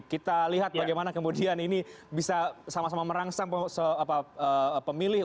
kita lihat bagaimana kemudian ini bisa sama sama merangsang pemilih